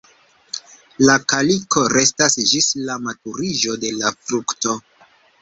La kaliko restas ĝis la maturiĝo de la frukto.